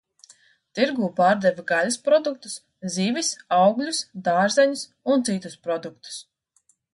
Tirgū pārdeva gaļas produktus, zivis, augļus, dārzeņus un citus produktus.